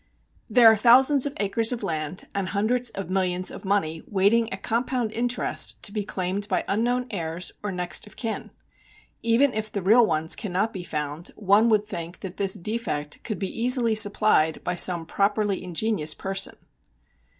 There are thousands of acres of land and hundreds of millions of money waiting at compound interest to be claimed by unknown heirs or next of kin. Even if the real ones cannot be found one would think that this defect could be easily supplied by some properly ingenious person.